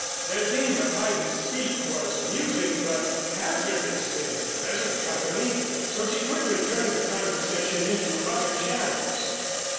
Their game of hide and seek was amusing, but hazardous in the present company, so she quickly turned the conversation into other channels.